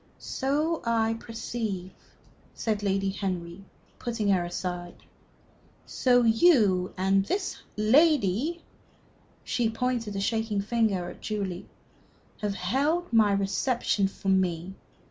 "So I perceive," said Lady Henry, putting her aside. "So you, and this lady" she pointed a shaking finger at Julie "have held my reception for me.